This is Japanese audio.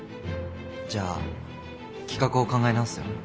じゃあ企画を考え直すよ。